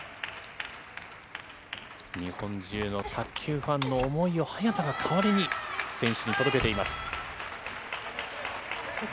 日本中の卓球ファンの思いを早田が代わりに選手に届けています。